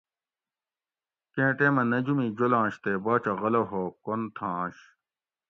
کیں ٹیمہ نجومی جولاںش تے باچہ غلو ہو کُن تھاش